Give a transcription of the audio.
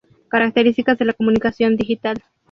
Características de la comunicación Digital